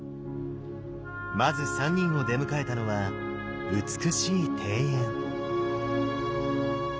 まず三人を出迎えたのは美しい庭園。